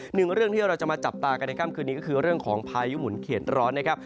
หนึ่งเรื่องที่เราจะมาจับตากันในค่ำคืนนี้ก็คือเรื่องของพายุหมุนเข็ดร้อนนะครับ